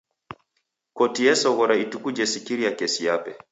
Koti esoghora ituku jesikira kesi yape.